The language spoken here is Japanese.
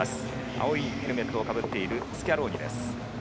青いヘルメットをかぶっているスキャローニ。